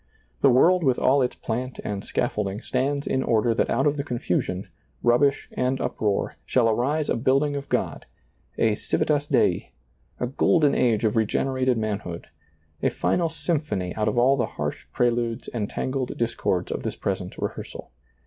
The world with all its plant and scaffold ing stands in order that out of the confusion, rubbish and uproar shall arise a building of God, a civitas Dei, a golden age of regenerated manhood, a final symphony out of all the harsh preludes and tangled discords of this present re hearsal.